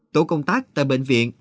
tổ công tác tại bệnh viện